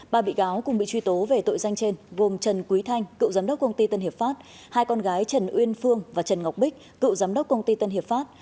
ba bị cáo cùng bị truy tố về tội danh trên gồm trần quý thanh cựu giám đốc công ty tân hiệp pháp hai con gái trần uyên phương và trần ngọc bích cựu giám đốc công ty tân hiệp pháp